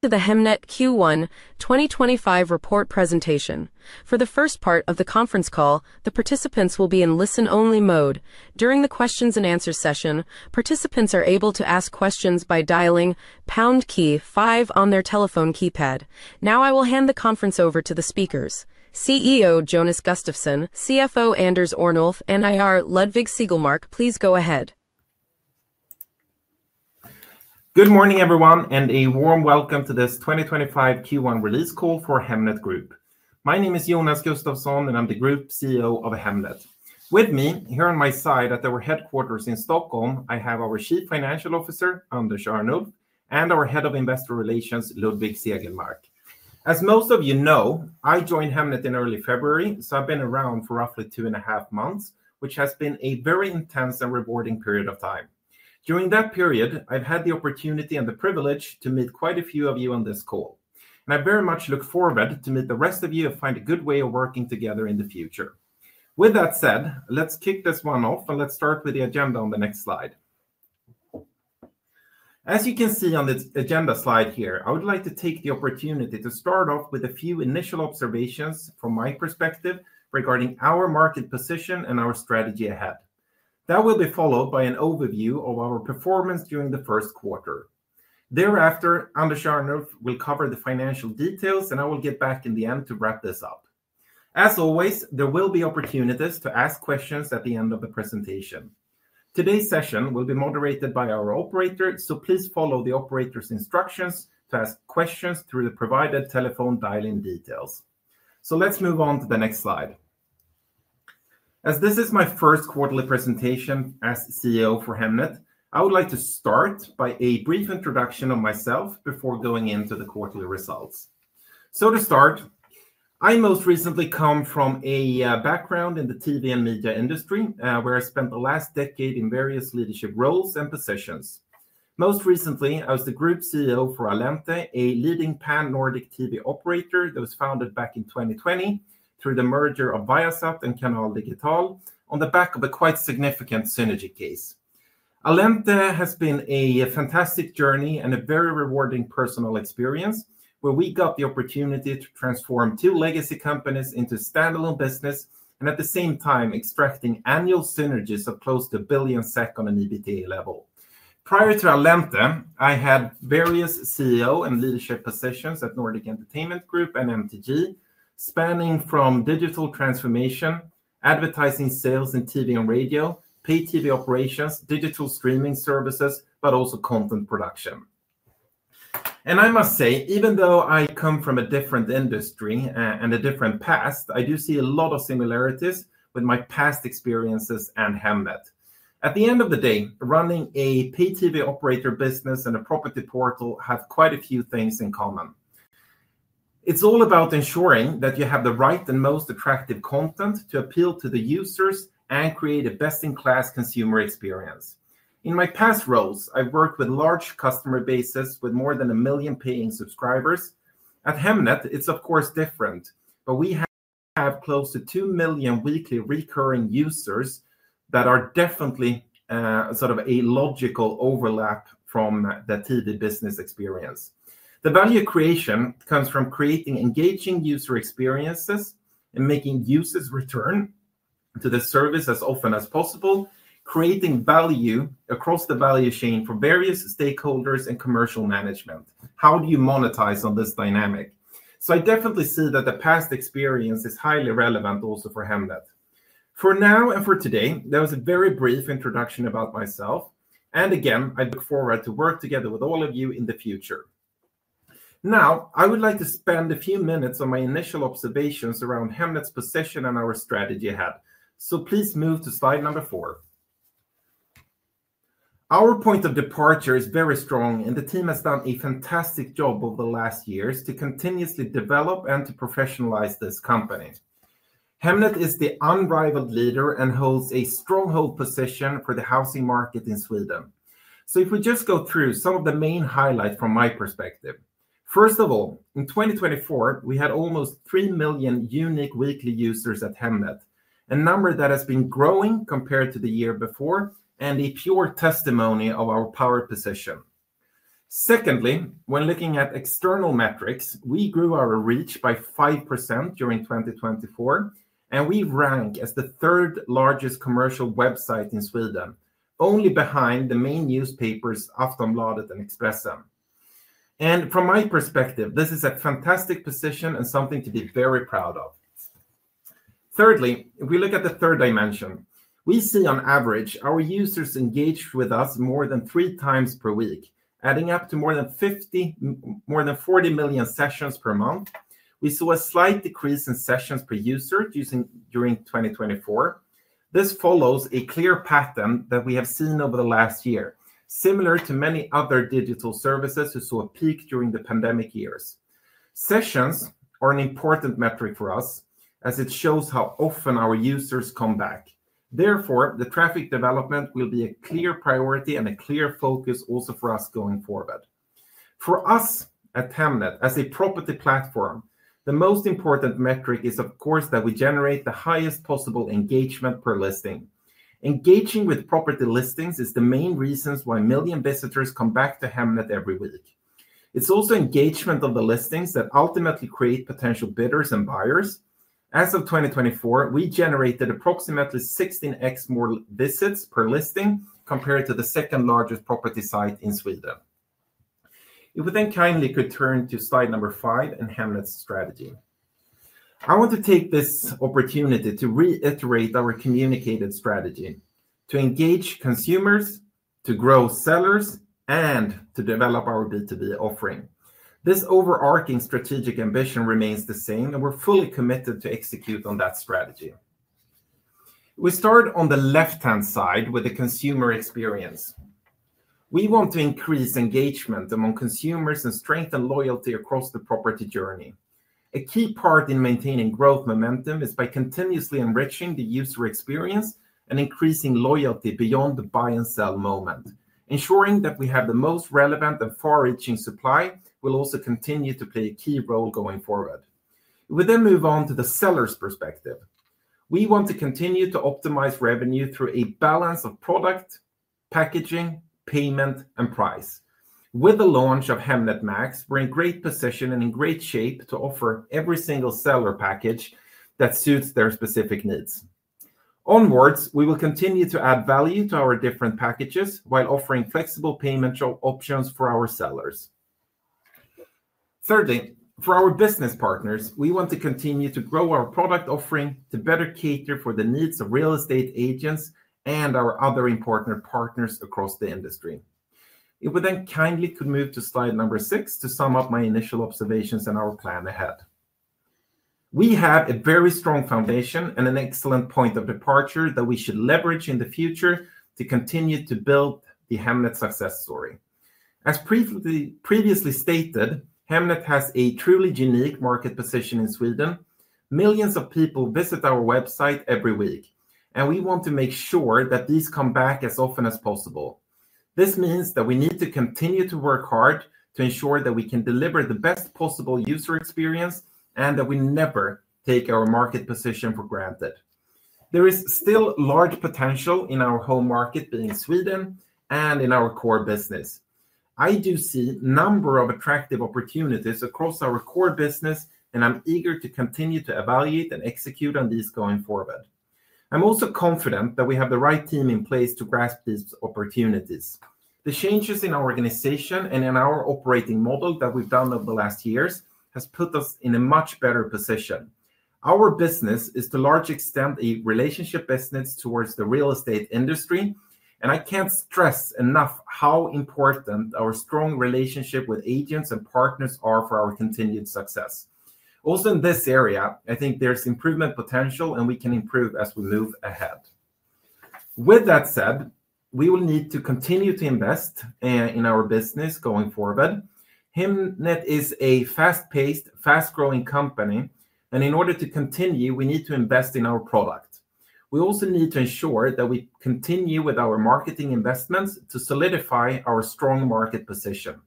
To the Hemnet Q1 2025 report presentation. For the first part of the conference call, the participants will be in listen-only mode. During the questions-and-answers session, participants are able to ask questions by dialing pound five on their telephone keypad. Now I will hand the conference over to the speakers: CEO Jonas Gustafsson, CFO Anders Örnulf, and IR Ludvig Segelmark. Please go ahead. Good morning, everyone, and a warm welcome to this 2025 Q1 release call for Hemnet Group. My name is Jonas Gustafsson, and I'm the Group CEO of Hemnet. With me, here on my side at our headquarters in Stockholm, I have our Chief Financial Officer, Anders Örnulf, and our Head of Investor Relations, Ludvig Segelmark. As most of you know, I joined Hemnet in early February, so I've been around for roughly two and a half months, which has been a very intense and rewarding period of time. During that period, I've had the opportunity and the privilege to meet quite a few of you on this call, and I very much look forward to meeting the rest of you and find a good way of working together in the future. With that said, let's kick this one off, and let's start with the agenda on the next slide. As you can see on the agenda slide here, I would like to take the opportunity to start off with a few initial observations from my perspective regarding our market position and our strategy ahead. That will be followed by an overview of our performance during the first quarter. Thereafter, Anders Örnulf will cover the financial details, and I will get back in the end to wrap this up. As always, there will be opportunities to ask questions at the end of the presentation. Today's session will be moderated by our operator, so please follow the operator's instructions to ask questions through the provided telephone dial-in details. Let's move on to the next slide. As this is my first quarterly presentation as CEO for Hemnet, I would like to start by a brief introduction of myself before going into the quarterly results. To start, I most recently come from a background in the TV and media industry, where I spent the last decade in various leadership roles and positions. Most recently, I was the Group CEO for Allente, a leading pan-Nordic TV operator that was founded back in 2020 through the merger of Viasat and Canal Digital on the back of a quite significant synergy case. Allente has been a fantastic journey and a very rewarding personal experience, where we got the opportunity to transform two legacy companies into standalone business and at the same time extracting annual synergies of close to 1 billion SEK on an EBITDA level. Prior to Allente, I had various CEO and leadership positions at Nordic Entertainment Group and MTG, spanning from digital transformation, advertising sales in TV and radio, pay TV operations, digital streaming services, but also content production. I must say, even though I come from a different industry and a different past, I do see a lot of similarities with my past experiences and Hemnet. At the end of the day, running a pay TV operator business and a property portal have quite a few things in common. It is all about ensuring that you have the right and most attractive content to appeal to the users and create a best-in-class consumer experience. In my past roles, I have worked with large customer bases with more than a million paying subscribers. At Hemnet, it is of course different, but we have close to two million weekly recurring users that are definitely sort of a logical overlap from the TV business experience. The value creation comes from creating engaging user experiences and making users return to the service as often as possible, creating value across the value chain for various stakeholders and commercial management. How do you monetize on this dynamic? I definitely see that the past experience is highly relevant also for Hemnet. For now and for today, that was a very brief introduction about myself, and again, I look forward to working together with all of you in the future. Now, I would like to spend a few minutes on my initial observations around Hemnet's position and our strategy ahead. Please move to slide number four. Our point of departure is very strong, and the team has done a fantastic job over the last years to continuously develop and to professionalize this company. Hemnet is the unrivaled leader and holds a stronghold position for the housing market in Sweden. If we just go through some of the main highlights from my perspective. First of all, in 2024, we had almost three million unique weekly users at Hemnet, a number that has been growing compared to the year before and a pure testimony of our power position. Secondly, when looking at external metrics, we grew our reach by 5% during 2024, and we rank as the third largest commercial website in Sweden, only behind the main newspapers Aftonbladet and Expressen. From my perspective, this is a fantastic position and something to be very proud of. Thirdly, if we look at the third dimension, we see on average our users engaged with us more than three times per week, adding up to more than 40 million sessions per month. We saw a slight decrease in sessions per user during 2024. This follows a clear pattern that we have seen over the last year, similar to many other digital services who saw a peak during the pandemic years. Sessions are an important metric for us as it shows how often our users come back. Therefore, the traffic development will be a clear priority and a clear focus also for us going forward. For us at Hemnet, as a property platform, the most important metric is, of course, that we generate the highest possible engagement per listing. Engaging with property listings is the main reason why millions of visitors come back to Hemnet every week. It is also engagement of the listings that ultimately create potential bidders and buyers. As of 2024, we generated approximately 16x more visits per listing compared to the second largest property site in Sweden. If we then kindly could turn to slide number five and Hemnet's strategy. I want to take this opportunity to reiterate our communicated strategy: to engage consumers, to grow sellers, and to develop our B2B offering. This overarching strategic ambition remains the same, and we're fully committed to execute on that strategy. We start on the left-hand side with the consumer experience. We want to increase engagement among consumers and strengthen loyalty across the property journey. A key part in maintaining growth momentum is by continuously enriching the user experience and increasing loyalty beyond the buy and sell moment, ensuring that we have the most relevant and far-reaching supply will also continue to play a key role going forward. We then move on to the seller's perspective. We want to continue to optimize revenue through a balance of product, packaging, payment, and price. With the launch of Hemnet Max, we're in great position and in great shape to offer every single seller package that suits their specific needs. Onwards, we will continue to add value to our different packages while offering flexible payment options for our sellers. Thirdly, for our business partners, we want to continue to grow our product offering to better cater for the needs of real estate agents and our other important partners across the industry. If we then kindly could move to slide number six to sum up my initial observations and our plan ahead. We have a very strong foundation and an excellent point of departure that we should leverage in the future to continue to build the Hemnet success story. As previously stated, Hemnet has a truly unique market position in Sweden. Millions of people visit our website every week, and we want to make sure that these come back as often as possible. This means that we need to continue to work hard to ensure that we can deliver the best possible user experience and that we never take our market position for granted. There is still large potential in our home market being Sweden and in our core business. I do see a number of attractive opportunities across our core business, and I'm eager to continue to evaluate and execute on these going forward. I'm also confident that we have the right team in place to grasp these opportunities. The changes in our organization and in our operating model that we've done over the last years have put us in a much better position. Our business is to a large extent a relationship business towards the real estate industry, and I can't stress enough how important our strong relationship with agents and partners is for our continued success. Also in this area, I think there's improvement potential, and we can improve as we move ahead. With that said, we will need to continue to invest in our business going forward. Hemnet is a fast-paced, fast-growing company, and in order to continue, we need to invest in our product. We also need to ensure that we continue with our marketing investments to solidify our strong market position.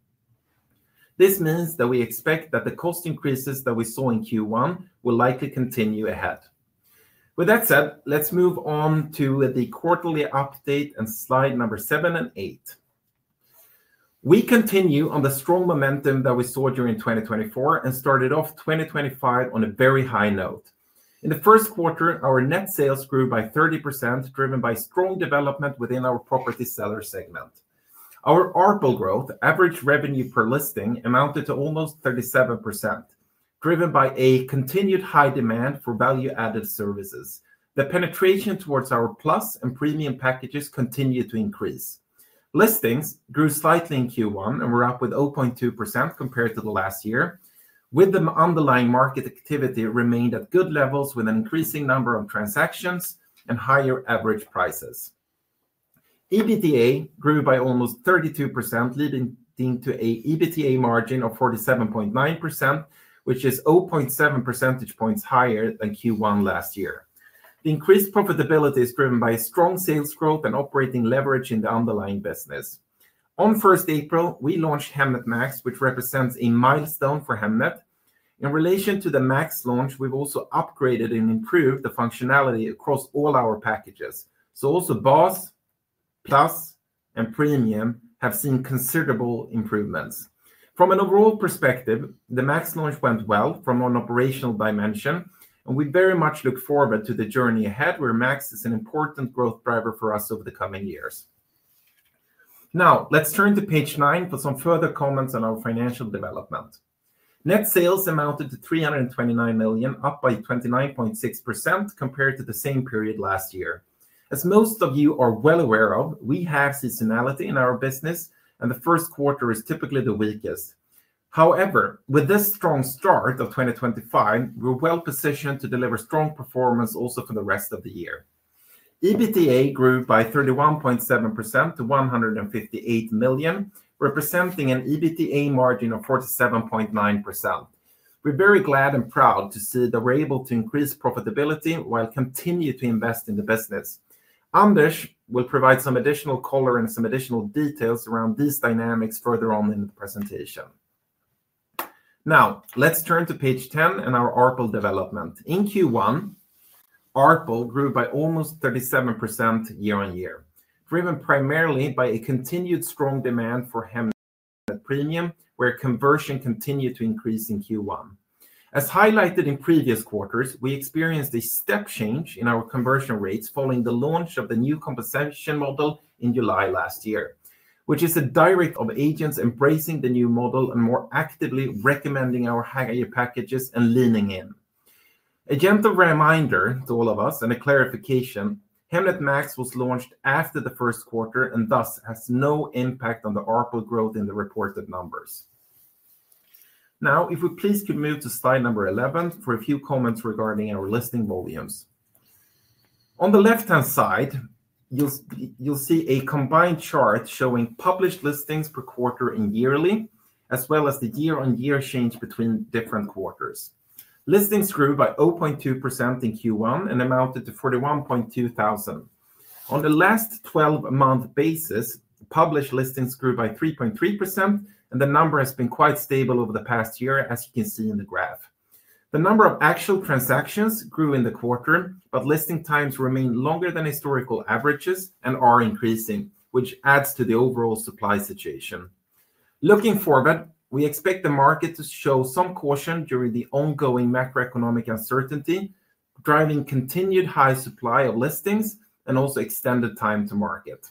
This means that we expect that the cost increases that we saw in Q1 will likely continue ahead. With that said, let's move on to the quarterly update and slide number seven and eight. We continue on the strong momentum that we saw during 2024 and started off 2025 on a very high note. In the first quarter, our net sales grew by 30%, driven by strong development within our property seller segment. Our ARPL growth, average revenue per listing, amounted to almost 37%, driven by a continued high demand for value-added services. The penetration towards our plus and premium packages continued to increase. Listings grew slightly in Q1 and were up with 0.2% compared to the last year, with the underlying market activity remained at good levels with an increasing number of transactions and higher average prices. EBITDA grew by almost 32%, leading to an EBITDA margin of 47.9%, which is 0.7 percentage points higher than Q1 last year. The increased profitability is driven by strong sales growth and operating leverage in the underlying business. On 1st April, we launched Hemnet Max, which represents a milestone for Hemnet. In relation to the Max launch, we have also upgraded and improved the functionality across all our packages. Bas, Plus, and Premium have seen considerable improvements. From an overall perspective, the Max launch went well from an operational dimension, and we very much look forward to the journey ahead where Max is an important growth driver for us over the coming years. Now, let's turn to page nine for some further comments on our financial development. Net sales amounted to 329 million, up by 29.6% compared to the same period last year. As most of you are well aware, we have seasonality in our business, and the first quarter is typically the weakest. However, with this strong start of 2025, we are well positioned to deliver strong performance also for the rest of the year. EBITDA grew by 31.7% to 158 million, representing an EBITDA margin of 47.9%. We're very glad and proud to see that we're able to increase profitability while continuing to invest in the business. Anders will provide some additional color and some additional details around these dynamics further on in the presentation. Now, let's turn to page 10 and our ARPL development. In Q1, ARPL grew by almost 37% year-on-year, driven primarily by a continued strong demand for Hemnet Premium, where conversion continued to increase in Q1. As highlighted in previous quarters, we experienced a step change in our conversion rates following the launch of the new compensation model in July last year, which is a direct impact on agents embracing the new model and more actively recommending our higher packages and leaning in. A gentle reminder to all of us and a clarification, Hemnet Max was launched after the first quarter and thus has no impact on the ARPL growth in the reported numbers. Now, if we please could move to slide number 11 for a few comments regarding our listing volumes. On the left-hand side, you'll see a combined chart showing published listings per quarter and yearly, as well as the year-on-year change between different quarters. Listings grew by 0.2% in Q1 and amounted to 41,200. On the last 12-month basis, published listings grew by 3.3%, and the number has been quite stable over the past year, as you can see in the graph. The number of actual transactions grew in the quarter, but listing times remain longer than historical averages and are increasing, which adds to the overall supply situation. Looking forward, we expect the market to show some caution during the ongoing macroeconomic uncertainty, driving continued high supply of listings and also extended time to market.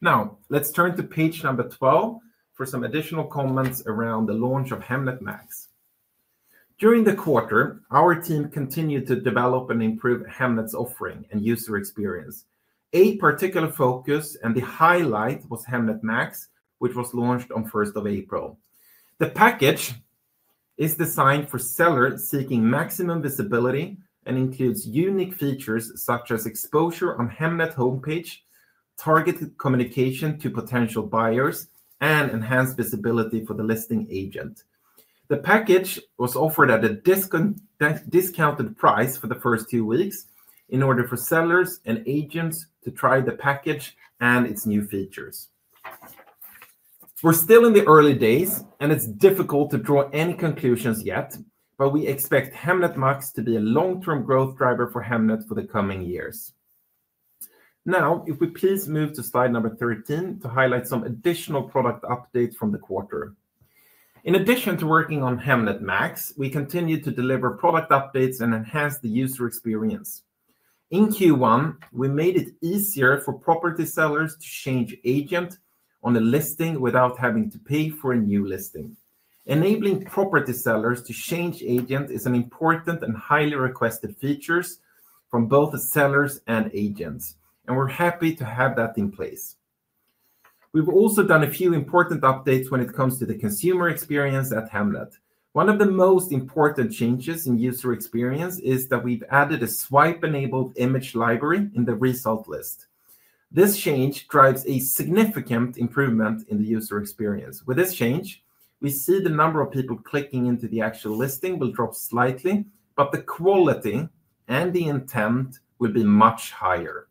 Now, let's turn to page number 12 for some additional comments around the launch of Hemnet Max. During the quarter, our team continued to develop and improve Hemnet's offering and user experience. A particular focus and the highlight was Hemnet Max, which was launched on 1st April. The package is designed for sellers seeking maximum visibility and includes unique features such as exposure on Hemnet homepage, targeted communication to potential buyers, and enhanced visibility for the listing agent. The package was offered at a discounted price for the first two weeks in order for sellers and agents to try the package and its new features. We're still in the early days, and it's difficult to draw any conclusions yet, but we expect Hemnet Max to be a long-term growth driver for Hemnet for the coming years. Now, if we please move to slide number 13 to highlight some additional product updates from the quarter. In addition to working on Hemnet Max, we continue to deliver product updates and enhance the user experience. In Q1, we made it easier for property sellers to change agent on a listing without having to pay for a new listing. Enabling property sellers to change agent is an important and highly requested feature from both sellers and agents, and we're happy to have that in place. We've also done a few important updates when it comes to the consumer experience at Hemnet. One of the most important changes in user experience is that we've added a swipe-enabled image library in the result list. This change drives a significant improvement in the user experience. With this change, we see the number of people clicking into the actual listing will drop slightly, but the quality and the intent will be much higher.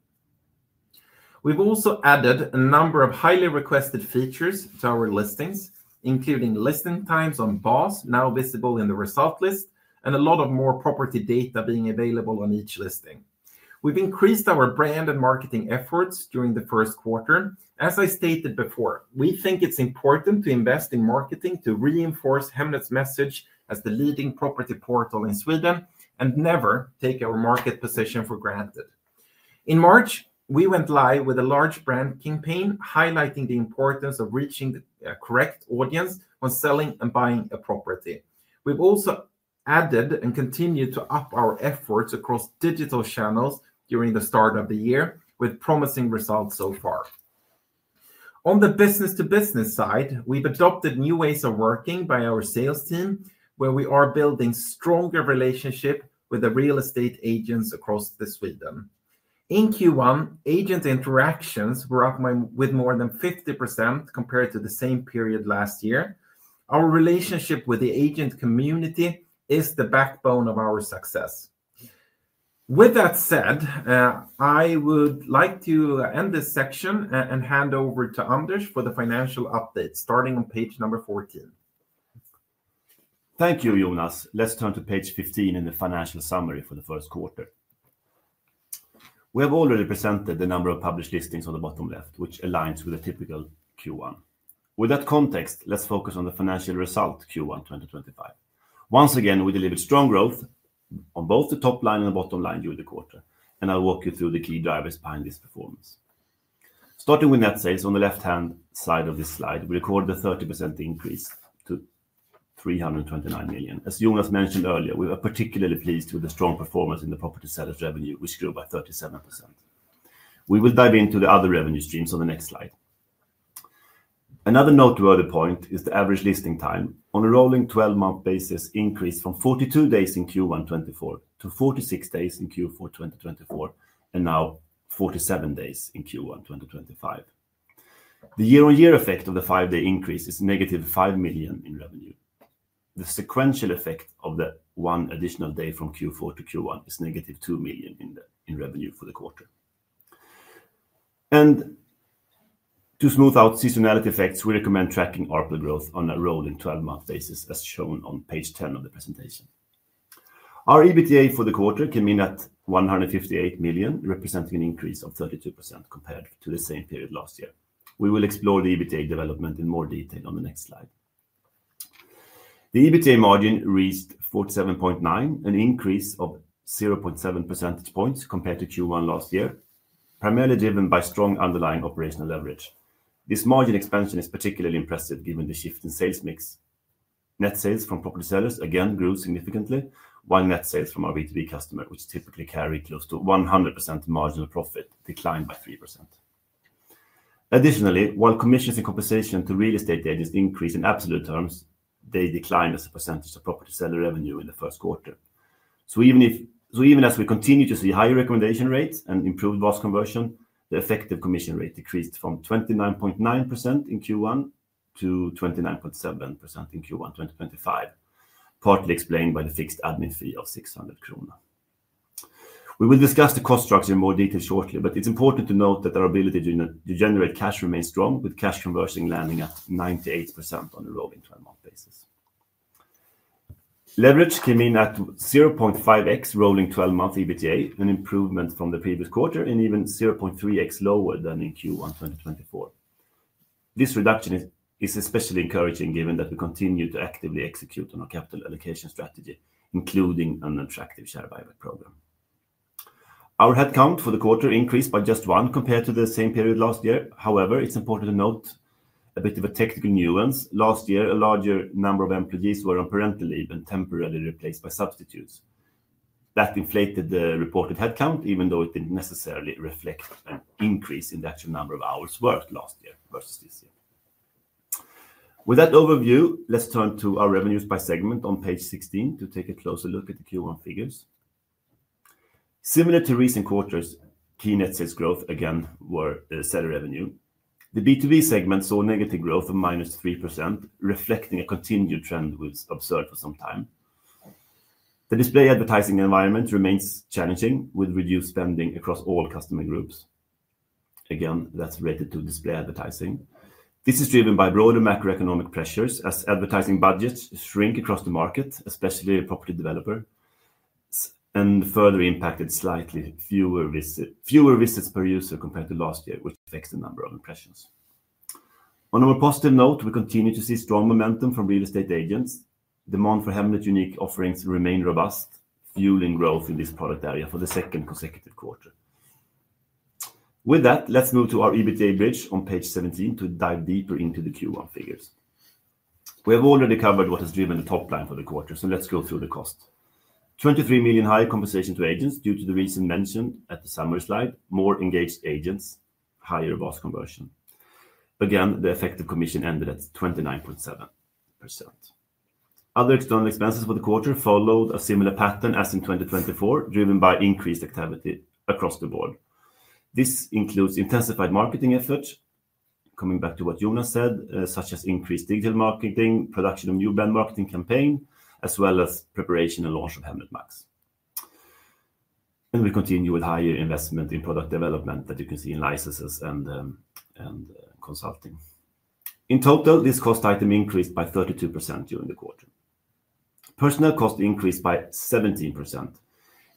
We've also added a number of highly requested features to our listings, including listing times on Bas now visible in the result list and a lot of more property data being available on each listing. We've increased our brand and marketing efforts during the first quarter. As I stated before, we think it's important to invest in marketing to reinforce Hemnet's message as the leading property portal in Sweden and never take our market position for granted. In March, we went live with a large brand campaign highlighting the importance of reaching the correct audience when selling and buying a property. We've also added and continued to up our efforts across digital channels during the start of the year with promising results so far. On the business-to-business side, we've adopted new ways of working by our sales team, where we are building stronger relationships with the real estate agents across Sweden. In Q1, agent interactions were up with more than 50% compared to the same period last year. Our relationship with the agent community is the backbone of our success. With that said, I would like to end this section and hand over to Anders for the financial update starting on page number 14. Thank you, Jonas. Let's turn to page 15 in the financial summary for the first quarter. We have already presented the number of published listings on the bottom left, which aligns with a typical Q1. With that context, let's focus on the financial result Q1 2025. Once again, we delivered strong growth on both the top line and the bottom line during the quarter, and I'll walk you through the key drivers behind this performance. Starting with net sales on the left-hand side of this slide, we recorded a 30% increase to 329 million. As Jonas mentioned earlier, we were particularly pleased with the strong performance in the property seller's revenue, which grew by 37%. We will dive into the other revenue streams on the next slide. Another noteworthy point is the average listing time on a rolling 12-month basis increased from 42 days in Q1 2024 to 46 days in Q4 2024 and now 47 days in Q1 2025. The year-on-year effect of the five-day increase is -5 million in revenue. The sequential effect of the one additional day from Q4 to Q1 is -2 million in revenue for the quarter. To smooth out seasonality effects, we recommend tracking ARPL growth on a rolling 12-month basis as shown on page 10 of the presentation. Our EBITDA for the quarter came in at 158 million, representing an increase of 32% compared to the same period last year. We will explore the EBITDA development in more detail on the next slide. The EBITDA margin reached 47.9%, an increase of 0.7 percentage points compared to Q1 last year, primarily driven by strong underlying operational leverage. This margin expansion is particularly impressive given the shift in sales mix. Net sales from property sellers again grew significantly, while net sales from our B2B customers, which typically carry close to 100% marginal profit, declined by 3%. Additionally, while commissions and compensation to real estate agents increased in absolute terms, they declined as a percentage of property seller revenue in the first quarter. Even as we continue to see higher recommendation rates and improved Bas conversion, the effective commission rate decreased from 29.9% in Q1 to 29.7% in Q1 2025, partly explained by the fixed admin fee of 600 krona. We will discuss the cost structure in more detail shortly, but it is important to note that our ability to generate cash remains strong, with cash conversion landing at 98% on a rolling 12-month basis. Leverage came in at 0.5x rolling 12-month EBITDA, an improvement from the previous quarter and even 0.3x lower than in Q1 2024. This reduction is especially encouraging given that we continue to actively execute on our capital allocation strategy, including an attractive share buyback program. Our headcount for the quarter increased by just one compared to the same period last year. However, it's important to note a bit of a technical nuance. Last year, a larger number of employees were on parental leave and temporarily replaced by substitutes. That inflated the reported headcount, even though it didn't necessarily reflect an increase in the actual number of hours worked last year versus this year. With that overview, let's turn to our revenues by segment on page 16 to take a closer look at the Q1 figures. Similar to recent quarters, key net sales growth again were seller revenue. The B2B segment saw negative growth of -3%, reflecting a continued trend we've observed for some time. The display advertising environment remains challenging with reduced spending across all customer groups. Again, that's related to display advertising. This is driven by broader macroeconomic pressures as advertising budgets shrink across the market, especially a property developer, and further impacted slightly fewer visits per user compared to last year, which affects the number of impressions. On a more positive note, we continue to see strong momentum from real estate agents. Demand for Hemnet's unique offerings remained robust, fueling growth in this product area for the second consecutive quarter. With that, let's move to our EBITDA bridge on page 17 to dive deeper into the Q1 figures. We have already covered what has driven the top line for the quarter, so let's go through the cost. 23 million higher compensation to agents due to the reason mentioned at the summary slide, more engaged agents, higher Bas conversion. Again, the effective commission ended at 29.7%. Other external expenses for the quarter followed a similar pattern as in 2024, driven by increased activity across the board. This includes intensified marketing efforts, coming back to what Jonas said, such as increased digital marketing, production of new brand marketing campaigns, as well as preparation and launch of Hemnet Max. We continue with higher investment in product development that you can see in licenses and consulting. In total, this cost item increased by 32% during the quarter. Personnel cost increased by 17%.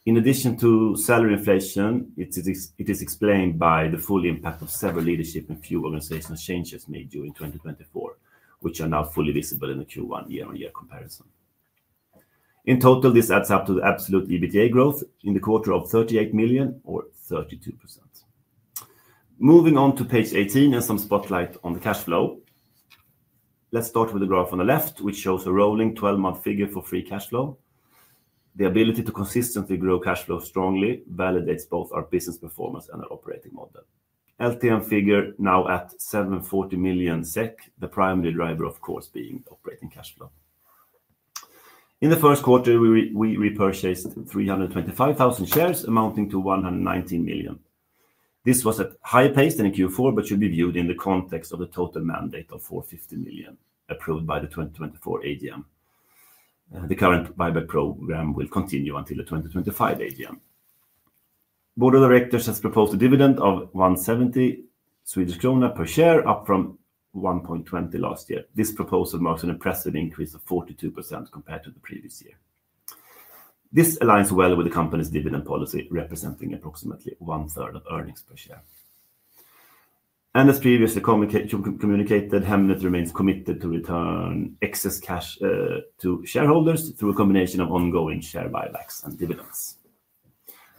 In addition to salary inflation, it is explained by the full impact of several leadership and few organizational changes made during 2024, which are now fully visible in the Q1 year-on-year comparison. In total, this adds up to the absolute EBITDA growth in the quarter of 38 million, or 32%. Moving on to page 18 and some spotlight on the cash flow. Let's start with the graph on the left, which shows a rolling 12-month figure for free cash flow. The ability to consistently grow cash flow strongly validates both our business performance and our operating model. LTM figure now at 740 million SEK, the primary driver, of course, being operating cash flow. In the first quarter, we repurchased 325,000 shares amounting to 119 million. This was at higher pace than in Q4, but should be viewed in the context of the total mandate of 450 million approved by the 2024 AGM. The current buyback program will continue until the 2025 AGM. Board of Directors has proposed a dividend of 1.70 Swedish krona per share, up from 1.20 last year. This proposal marks an impressive increase of 42% compared to the previous year. This aligns well with the company's dividend policy, representing approximately one-third of earnings per share. As previously communicated, Hemnet remains committed to return excess cash to shareholders through a combination of ongoing share buybacks and dividends.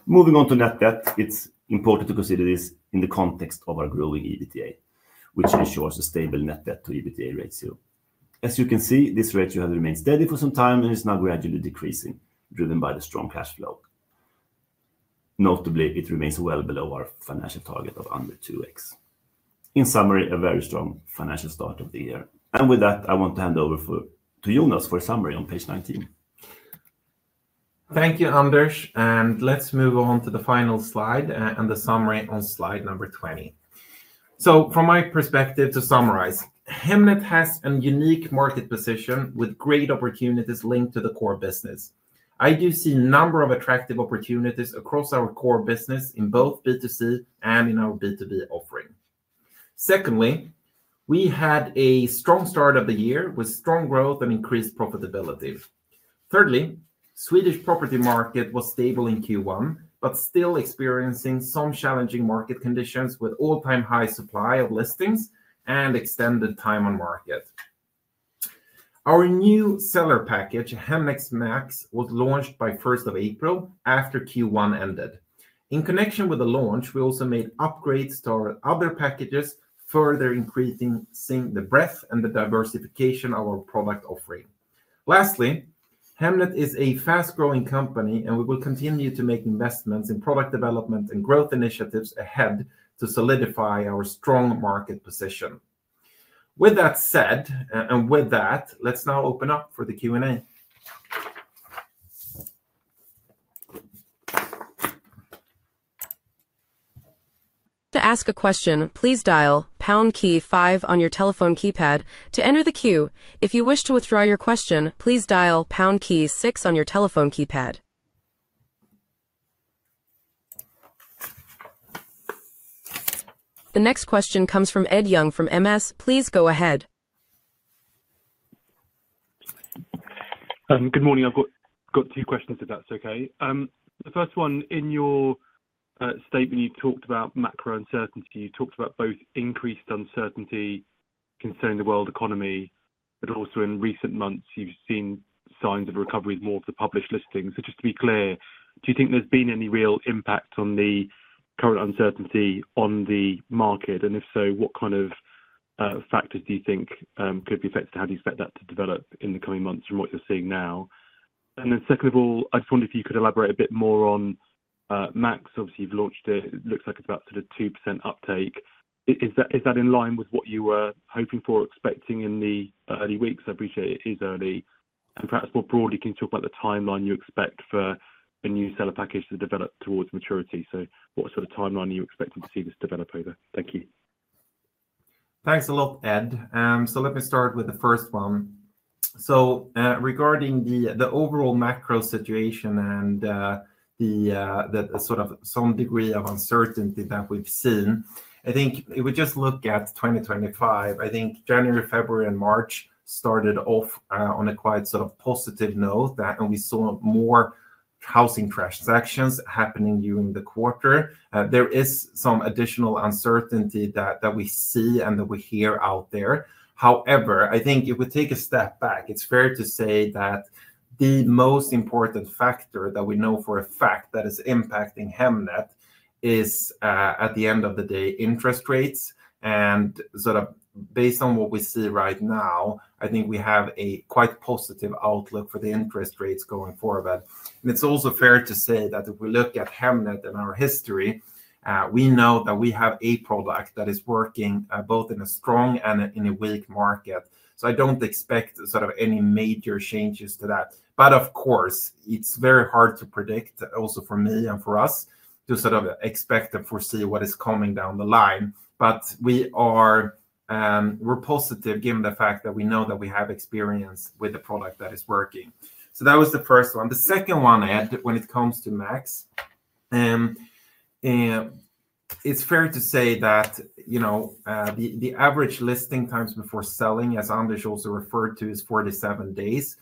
Moving on to net debt, it is important to consider this in the context of our growing EBITDA, which ensures a stable net debt to EBITDA ratio. As you can see, this ratio has remained steady for some time and is now gradually decreasing, driven by the strong cash flow. Notably, it remains well below our financial target of under 2x. In summary, a very strong financial start of the year. I want to hand over to Jonas for a summary on page 19. Thank you, Anders. Let's move on to the final slide and the summary on slide number 20. From my perspective, to summarize, Hemnet has a unique market position with great opportunities linked to the core business. I do see a number of attractive opportunities across our core business in both B2C and in our B2B offering. Secondly, we had a strong start of the year with strong growth and increased profitability. Thirdly, Swedish property market was stable in Q1, but still experiencing some challenging market conditions with all-time high supply of listings and extended time on market. Our new seller package, Hemnet Max, was launched by 1st April after Q1 ended. In connection with the launch, we also made upgrades to our other packages, further increasing the breadth and the diversification of our product offering. Lastly, Hemnet is a fast-growing company, and we will continue to make investments in product development and growth initiatives ahead to solidify our strong market position. With that said, and with that, let's now open up for the Q&A. To ask a question, please dial pound key five on your telephone keypad to enter the queue. If you wish to withdraw your question, please dial pound key six on your telephone keypad. The next question comes from Ed Young from Morgan Stanley. Please go ahead. Good morning. I've got two questions if that's okay. The first one, in your statement, you talked about macro uncertainty. You talked about both increased uncertainty concerning the world economy, but also in recent months, you've seen signs of recovery more for the published listings. Just to be clear, do you think there's been any real impact on the current uncertainty on the market? If so, what kind of factors do you think could be affected? How do you expect that to develop in the coming months from what you're seeing now? Second of all, I just wondered if you could elaborate a bit more on Max. Obviously, you've launched it. It looks like it's about sort of 2% uptake. Is that in line with what you were hoping for or expecting in the early weeks? I appreciate it is early. Perhaps more broadly, can you talk about the timeline you expect for a new seller package to develop towards maturity? What sort of timeline are you expecting to see this develop over? Thank you. Thanks a lot, Ed. Let me start with the first one. Regarding the overall macro situation and the sort of some degree of uncertainty that we've seen, I think if we just look at 2025, I think January, February, and March started off on a quite sort of positive note, and we saw more housing transactions happening during the quarter. There is some additional uncertainty that we see and that we hear out there. However, I think if we take a step back, it's fair to say that the most important factor that we know for a fact that is impacting Hemnet is, at the end of the day, interest rates. Sort of based on what we see right now, I think we have a quite positive outlook for the interest rates going forward. It is also fair to say that if we look at Hemnet and our history, we know that we have a product that is working both in a strong and in a weak market. I do not expect any major changes to that. Of course, it is very hard to predict also for me and for us to expect and foresee what is coming down the line. We are positive given the fact that we know that we have experience with the product that is working. That was the first one. The second one, Ed, when it comes to Max, it is fair to say that the average listing times before selling, as Anders also referred to, is 47 days.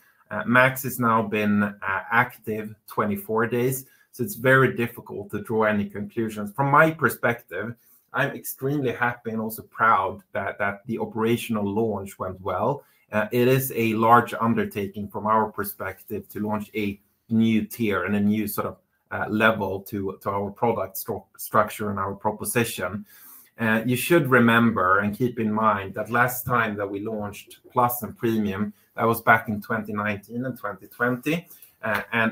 Max has now been active 24 days, so it is very difficult to draw any conclusions. From my perspective, I'm extremely happy and also proud that the operational launch went well. It is a large undertaking from our perspective to launch a new tier and a new sort of level to our product structure and our proposition. You should remember and keep in mind that last time that we launched Plus and Premium, that was back in 2019 and 2020.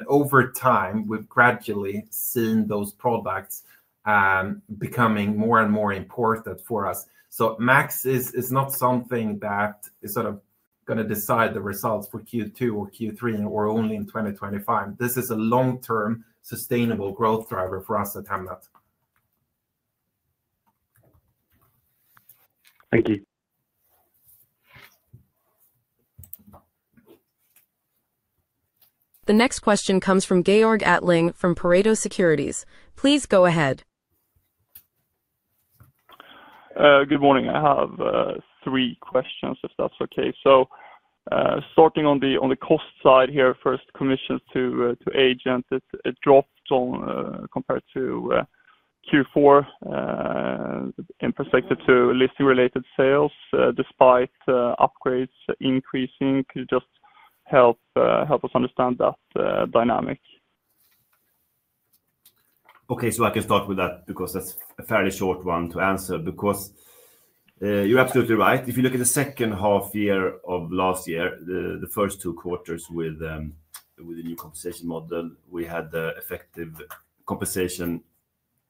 Over time, we've gradually seen those products becoming more and more important for us. Max is not something that is sort of going to decide the results for Q2 or Q3 or only in 2025. This is a long-term sustainable growth driver for us at Hemnet. Thank you. The next question comes from Georg Attling from Pareto Securities. Please go ahead. Good morning. I have three questions, if that's okay. Starting on the cost side here, first, commissions to agents, it dropped compared to Q4 in perspective to listing-related sales. Despite upgrades increasing, could you just help us understand that dynamic? Okay, I can start with that because that's a fairly short one to answer. Because you're absolutely right. If you look at the second half year of last year, the first two quarters with the new compensation model, we had effective compensation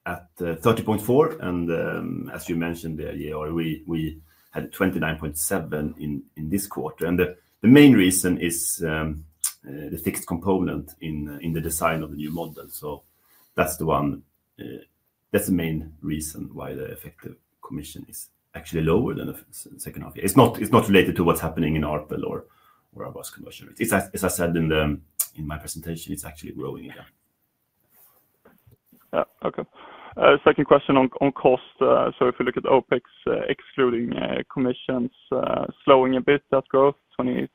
at 30.4. And as you mentioned, we had 29.7 in this quarter. The main reason is the fixed component in the design of the new model. That's the one. That's the main reason why the effective commission is actually lower than the second half year. It's not related to what's happening in ARPL or our Bas conversion. As I said in my presentation, it's actually growing again. Okay. Second question on cost. If we look at OpEx, excluding commissions, slowing a bit, that growth, 22%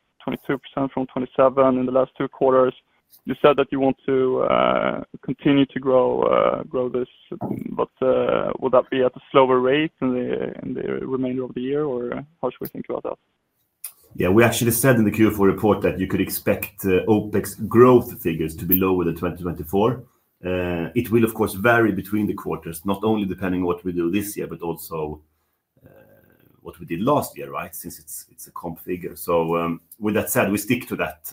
from 27% in the last two quarters. You said that you want to continue to grow this. Would that be at a slower rate in the remainder of the year, or how should we think about that? Yeah, we actually said in the Q4 report that you could expect OpEx growth figures to be lower than 2024. It will, of course, vary between the quarters, not only depending on what we do this year, but also what we did last year, right, since it is a comp figure. With that said, we stick to that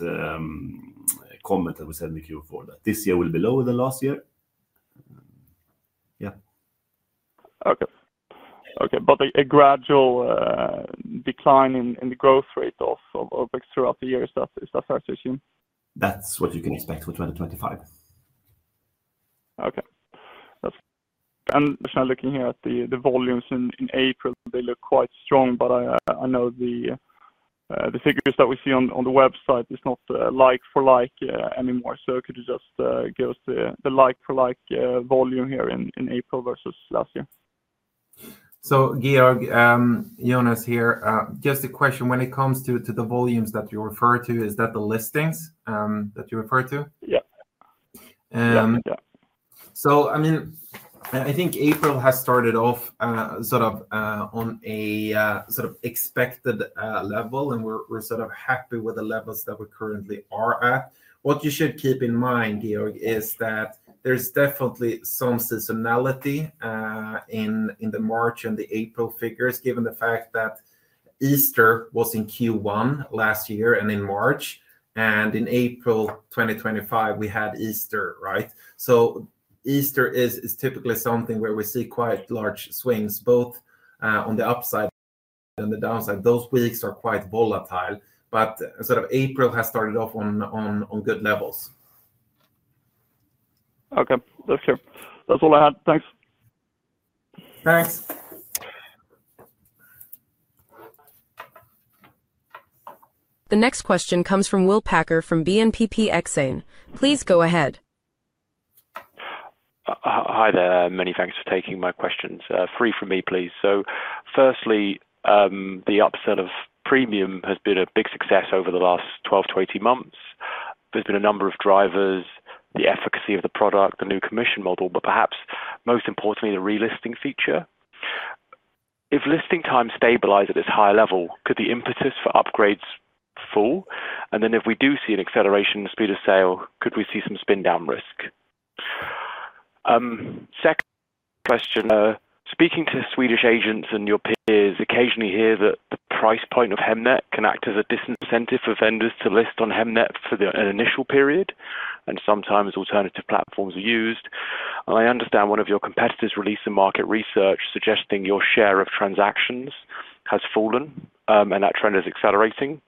comment that we said in the Q4 that this year will be lower than last year. Yeah. Okay. Okay. A gradual decline in the growth rate of OpEx throughout the year, is that fair to assume? That's what you can expect for 2025. Okay. I'm looking here at the volumes in April. They look quite strong, but I know the figures that we see on the website are not like for like anymore. Could you just give us the like for like volume here in April versus last year? Georg, Jonas here. Just a question. When it comes to the volumes that you refer to, is that the listings that you refer to? Yeah. Yeah. I think April has started off on a sort of expected level, and we're happy with the levels that we currently are at. What you should keep in mind, Georg, is that there's definitely some seasonality in the March and the April figures, given the fact that Easter was in Q1 last year and in March. In April 2025, we had Easter, right? Easter is typically something where we see quite large swings, both on the upside and the downside. Those weeks are quite volatile. April has started off on good levels. Okay. That's all I had. Thanks. Thanks. The next question comes from William Packer from BNP Paribas Exane. Please go ahead. Hi, there. Many thanks for taking my questions. Three from me, please. Firstly, the upsell of Premium has been a big success over the last 12 months-18 months. There have been a number of drivers, the efficacy of the product, the new commission model, but perhaps most importantly, the relisting feature. If listing time stabilized at this high level, could the impetus for upgrades fall? If we do see an acceleration in the speed of sale, could we see some spin-down risk? Second question. Speaking to Swedish agents and your peers, occasionally hear that the price point of Hemnet can act as a disincentive for vendors to list on Hemnet for an initial period, and sometimes alternative platforms are used. I understand one of your competitors released some market research suggesting your share of transactions has fallen, and that trend is accelerating.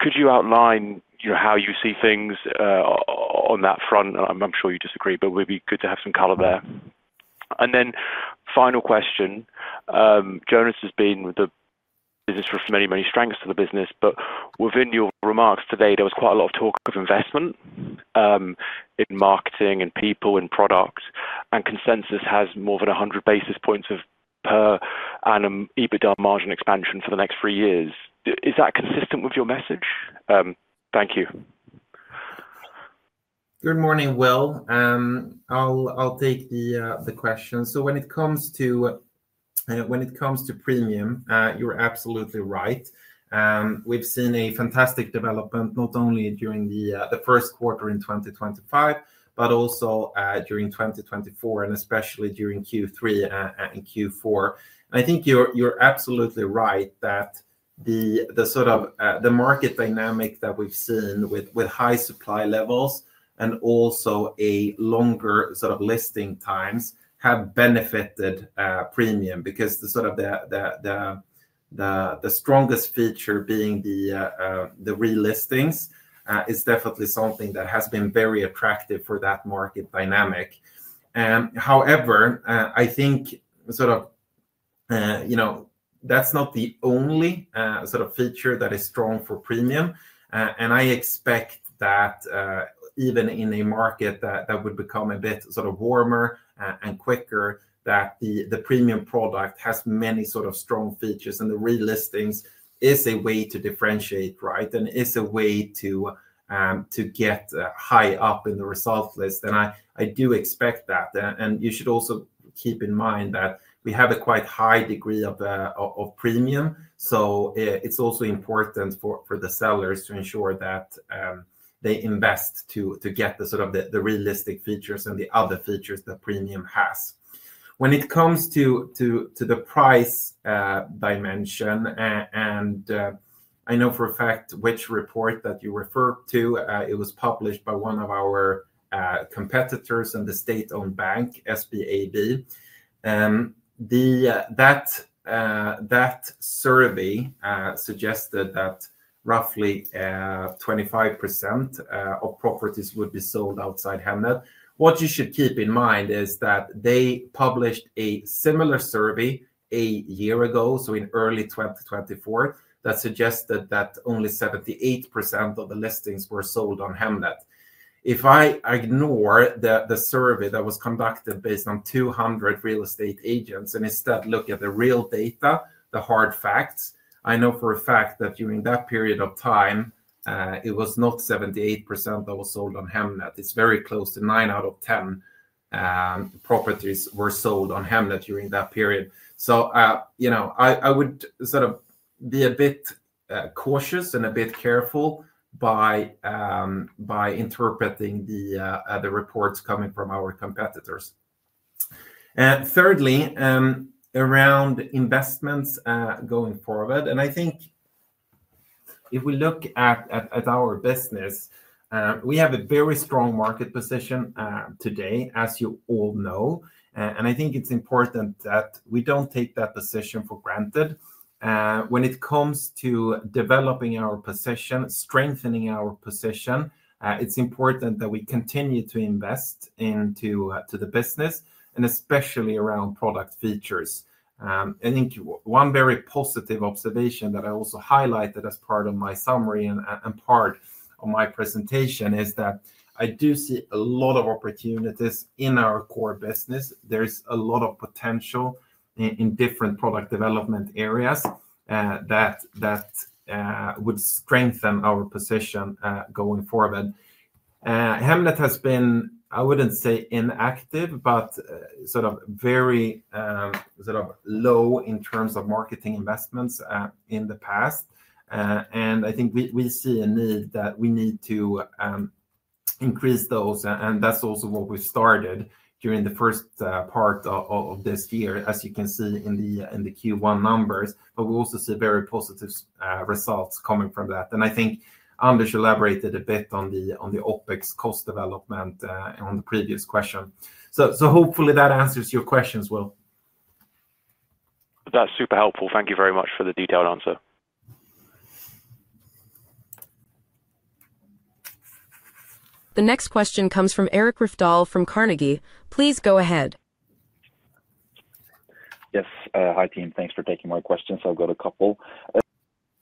Could you outline how you see things on that front? I am sure you disagree, but it would be good to have some color there. Final question. Jonas has been the business. Many, many strengths to the business. Within your remarks today, there was quite a lot of talk of investment in marketing and people and product, and consensus has more than 100 basis points per annum EBITDA margin expansion for the next three years. Is that consistent with your message? Thank you. Good morning, William. I'll take the question. When it comes to Premium, you're absolutely right. We've seen a fantastic development not only during the first quarter in 2025, but also during 2024, and especially during Q3 and Q4. I think you're absolutely right that the sort of market dynamic that we've seen with high supply levels and also longer sort of listing times have benefited Premium because the strongest feature being the relistings is definitely something that has been very attractive for that market dynamic. However, I think that's not the only feature that is strong for Premium. I expect that even in a market that would become a bit warmer and quicker, the Premium product has many strong features, and the relistings is a way to differentiate, right? It is a way to get high up in the results list. I do expect that. You should also keep in mind that we have a quite high degree of Premium. It is also important for the sellers to ensure that they invest to get the realistic features and the other features that Premium has. When it comes to the price dimension, I know for a fact which report you refer to. It was published by one of our competitors and the state-owned bank, SBAB. That survey suggested that roughly 25% of properties would be sold outside Hemnet. What you should keep in mind is that they published a similar survey a year ago, so in early 2024, that suggested that only 78% of the listings were sold on Hemnet. If I ignore the survey that was conducted based on 200 real estate agents and instead look at the real data, the hard facts, I know for a fact that during that period of time, it was not 78% that was sold on Hemnet. It's very close to 9 out of 10 properties were sold on Hemnet during that period. I would sort of be a bit cautious and a bit careful by interpreting the reports coming from our competitors. Thirdly, around investments going forward, I think if we look at our business, we have a very strong market position today, as you all know. I think it's important that we don't take that position for granted. When it comes to developing our position, strengthening our position, it's important that we continue to invest into the business, and especially around product features. I think one very positive observation that I also highlighted as part of my summary and part of my presentation is that I do see a lot of opportunities in our core business. There's a lot of potential in different product development areas that would strengthen our position going forward. Hemnet has been, I wouldn't say inactive, but sort of very sort of low in terms of marketing investments in the past. I think we see a need that we need to increase those. That is also what we started during the first part of this year, as you can see in the Q1 numbers. We also see very positive results coming from that. I think Anders elaborated a bit on the OpEx cost development on the previous question. Hopefully that answers your questions, William. That's super helpful. Thank you very much for the detailed answer. The next question comes from Eirik Rafdal from Carnegie. Please go ahead. Yes. Hi, team. Thanks for taking my questions. I've got a couple.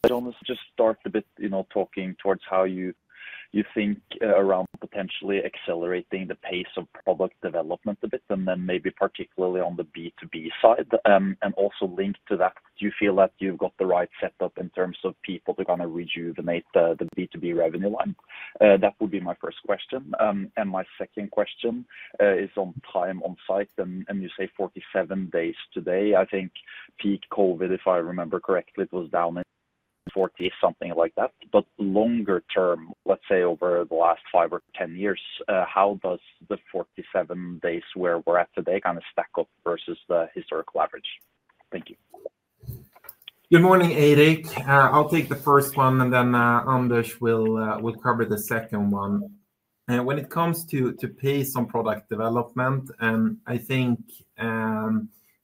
Jonas, just start a bit talking towards how you think around potentially accelerating the pace of product development a bit, and then maybe particularly on the B2B side. Also link to that, do you feel that you've got the right setup in terms of people to kind of rejuvenate the B2B revenue line? That would be my first question. My second question is on time on site. You say 47 days today. I think peak COVID, if I remember correctly, it was down in 40, something like that. Longer term, let's say over the last 5 years or 10 years, how does the 47 days where we're at today kind of stack up versus the historical average? Thank you. Good morning, Eirik. I'll take the first one, and then Anders will cover the second one. When it comes to pace on product development, I think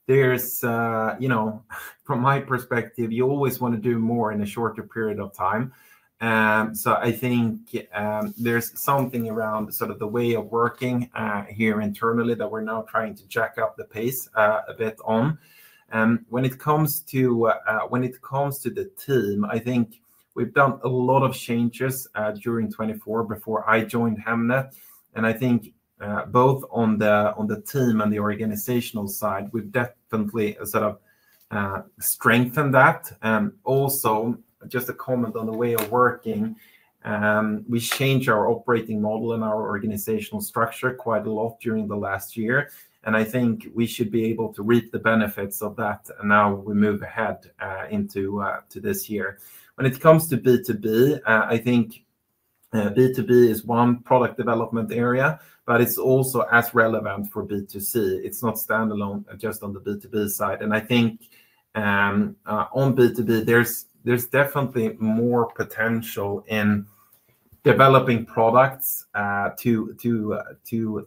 there's, from my perspective, you always want to do more in a shorter period of time. I think there's something around sort of the way of working here internally that we're now trying to jack up the pace a bit on. When it comes to the team, I think we've done a lot of changes during 2024 before I joined Hemnet. I think both on the team and the organizational side, we've definitely sort of strengthened that. Also, just a comment on the way of working, we changed our operating model and our organizational structure quite a lot during the last year. I think we should be able to reap the benefits of that now we move ahead into this year. When it comes to B2B, I think B2B is one product development area, but it's also as relevant for B2C. It's not standalone just on the B2B side. I think on B2B, there's definitely more potential in developing products to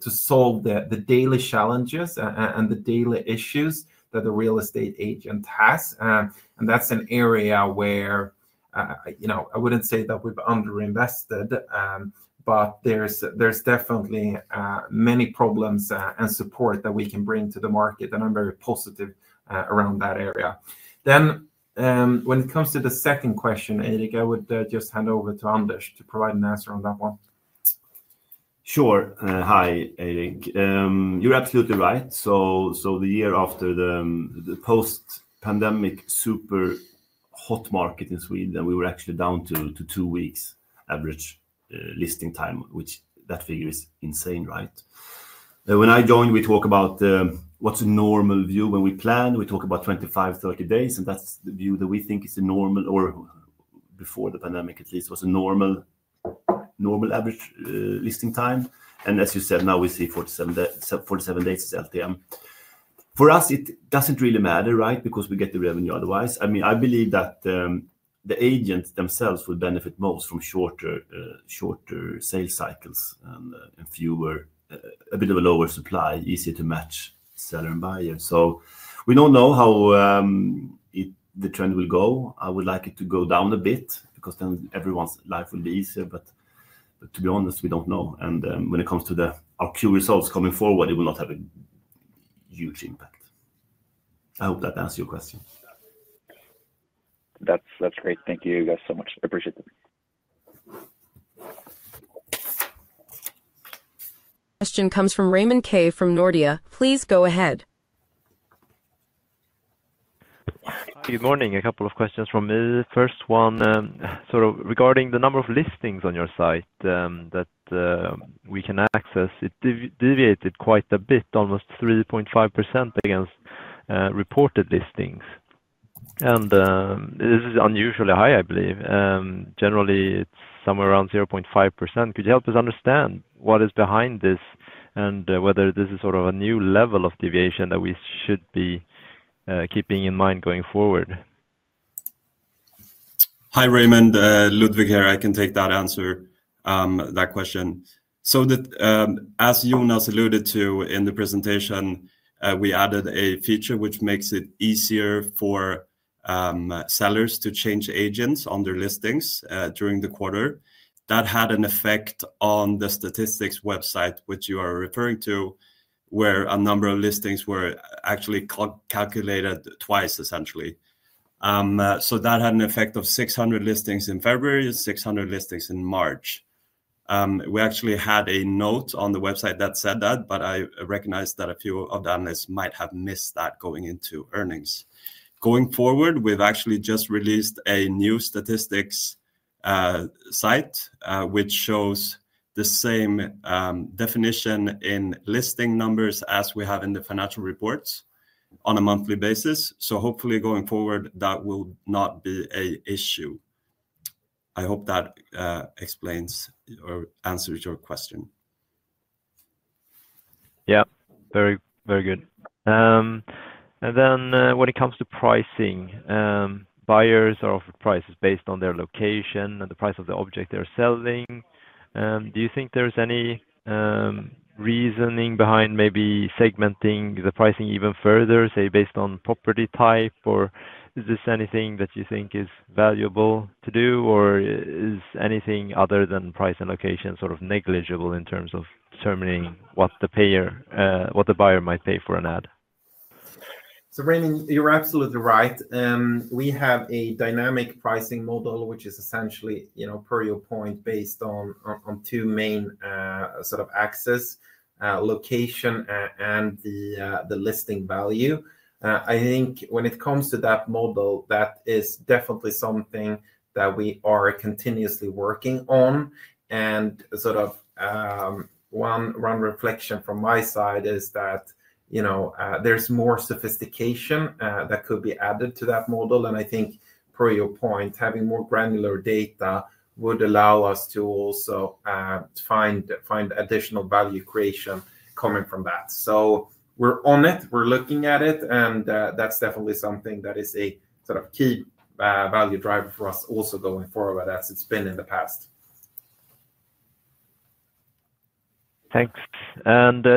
solve the daily challenges and the daily issues that the real estate agent has. That's an area where I wouldn't say that we've underinvested, but there's definitely many problems and support that we can bring to the market. I'm very positive around that area. When it comes to the second question, Eirik, I would just hand over to Anders to provide an answer on that one. Sure. Hi, Eirik. You're absolutely right. The year after the post-pandemic super hot market in Sweden, we were actually down to two weeks average listing time, which that figure is insane, right? When I joined, we talk about what's a normal view. When we plan, we talk about 25 days-30 days, and that's the view that we think is a normal, or before the pandemic at least, was a normal average listing time. As you said, now we see 47 days is LTM. For us, it doesn't really matter, right? Because we get the revenue otherwise. I mean, I believe that the agents themselves would benefit most from shorter sales cycles and a bit of a lower supply, easier to match seller and buyer. We don't know how the trend will go. I would like it to go down a bit because then everyone's life will be easier. To be honest, we don't know. When it comes to our Q results coming forward, it will not have a huge impact. I hope that answers your question. That's great. Thank you guys so much. I appreciate it. Question comes from Raymond Kay from Nordea. Please go ahead. Good morning. A couple of questions from me. First one, sort of regarding the number of listings on your site that we can access. It deviated quite a bit, almost 3.5% against reported listings. And this is unusually high, I believe. Generally, it's somewhere around 0.5%. Could you help us understand what is behind this and whether this is sort of a new level of deviation that we should be keeping in mind going forward? Hi, Raymond. Ludvig here. I can take that answer, that question. As Jonas alluded to in the presentation, we added a feature which makes it easier for sellers to change agents on their listings during the quarter. That had an effect on the statistics website, which you are referring to, where a number of listings were actually calculated twice, essentially. That had an effect of 600 listings in February and 600 listings in March. We actually had a note on the website that said that, but I recognize that a few of the analysts might have missed that going into earnings. Going forward, we have actually just released a new statistics site, which shows the same definition in listing numbers as we have in the financial reports on a monthly basis. Hopefully going forward, that will not be an issue. I hope that answers your question. Yeah. Very, very good. When it comes to pricing, buyers are offered prices based on their location and the price of the object they are selling. Do you think there's any reasoning behind maybe segmenting the pricing even further, say, based on property type, or is this anything that you think is valuable to do, or is anything other than price and location sort of negligible in terms of determining what the buyer might pay for an ad? Raymond, you're absolutely right. We have a dynamic pricing model, which is essentially, per your point, based on two main sort of axes, location and the listing value. I think when it comes to that model, that is definitely something that we are continuously working on. One reflection from my side is that there's more sophistication that could be added to that model. I think, per your point, having more granular data would allow us to also find additional value creation coming from that. We're on it. We're looking at it. That's definitely something that is a sort of key value driver for us also going forward, as it's been in the past. Thanks.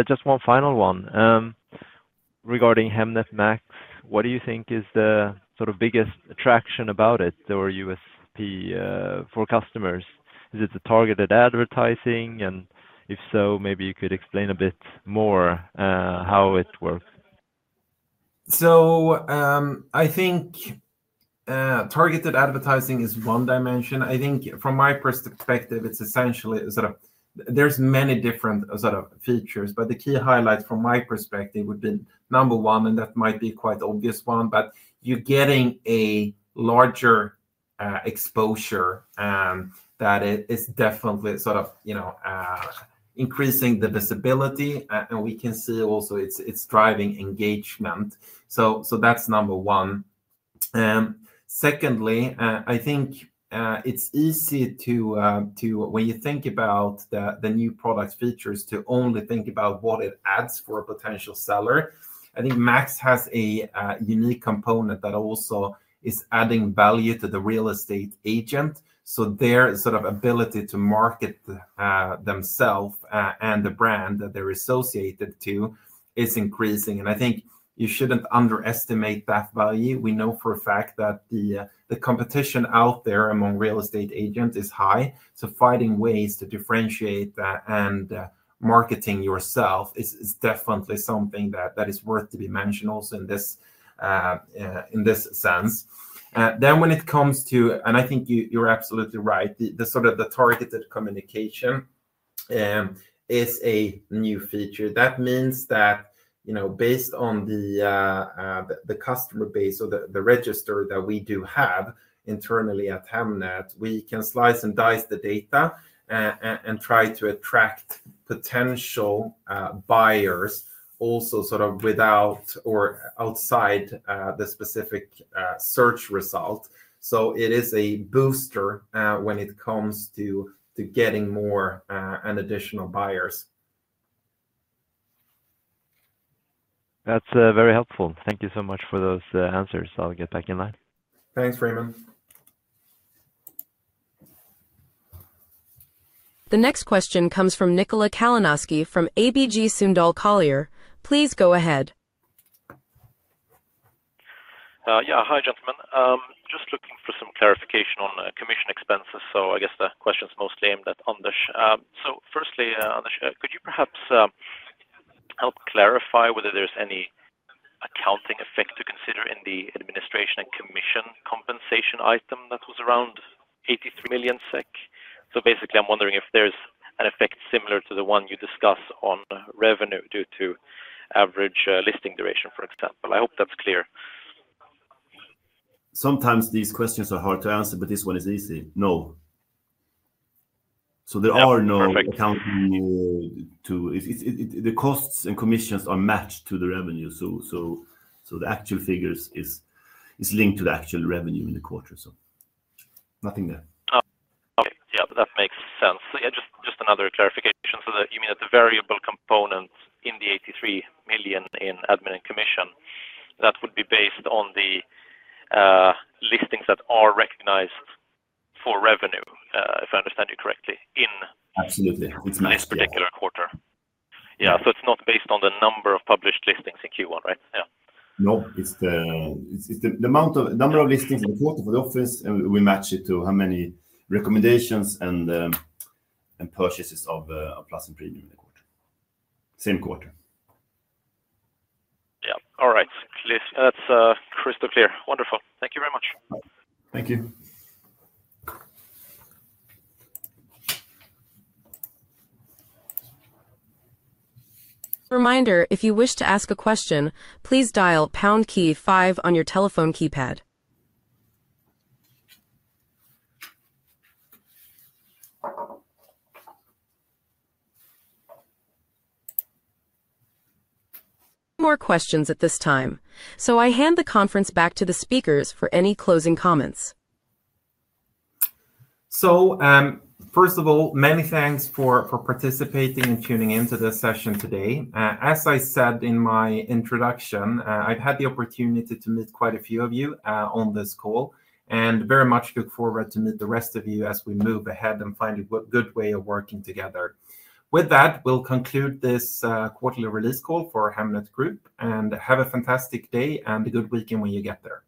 Just one final one. Regarding Hemnet Max, what do you think is the sort of biggest attraction about it or USP for customers? Is it the targeted advertising? If so, maybe you could explain a bit more how it works. I think targeted advertising is one dimension. I think from my perspective, it's essentially sort of there's many different sort of features, but the key highlight from my perspective would be number one, and that might be quite an obvious one, but you're getting a larger exposure that is definitely sort of increasing the visibility. We can see also it's driving engagement. That's number one. Secondly, I think it's easy to, when you think about the new product features, to only think about what it adds for a potential seller. I think Max has a unique component that also is adding value to the real estate agent. Their sort of ability to market themselves and the brand that they're associated to is increasing. I think you shouldn't underestimate that value. We know for a fact that the competition out there among real estate agents is high. Finding ways to differentiate and marketing yourself is definitely something that is worth to be mentioned also in this sense. When it comes to, and I think you're absolutely right, the sort of the targeted communication is a new feature. That means that based on the customer base or the register that we do have internally at Hemnet, we can slice and dice the data and try to attract potential buyers also sort of without or outside the specific search result. It is a booster when it comes to getting more and additional buyers. That's very helpful. Thank you so much for those answers. I'll get back in line. Thanks, Raymond. The next question comes from Nikola Kalanoski from ABG Sundal Collier. Please go ahead. Yeah. Hi, gentlemen. Just looking for some clarification on commission expenses. I guess the question's mostly aimed at Anders. Firstly, Anders, could you perhaps help clarify whether there's any accounting effect to consider in the administration and commission compensation item that was around 83 million SEK? Basically, I'm wondering if there's an effect similar to the one you discuss on revenue due to average listing duration, for example. I hope that's clear. Sometimes these questions are hard to answer, but this one is easy. No. There are no accounting to the costs and commissions are matched to the revenue. The actual figure is linked to the actual revenue in the quarter. Nothing there. Okay. Yeah. That makes sense. Just another clarification. You mean that the variable component in the 83 million in admin and commission, that would be based on the listings that are recognized for revenue, if I understand you correctly, in this particular quarter? Yeah. It's not based on the number of published listings in Q1, right? Yeah. Nope. It's the number of listings in the quarter for the office, and we match it to how many recommendations and purchases of Plus and Premium in the quarter. Same quarter. Yeah. All right. That's crystal clear. Wonderful. Thank you very much. Thank you. Reminder, if you wish to ask a question, please dial pound key five on your telephone keypad. No more questions at this time. I hand the conference back to the speakers for any closing comments. First of all, many thanks for participating and tuning into this session today. As I said in my introduction, I've had the opportunity to meet quite a few of you on this call and very much look forward to meet the rest of you as we move ahead and find a good way of working together. With that, we'll conclude this quarterly release call for Hemnet Group and have a fantastic day and a good weekend when you get there.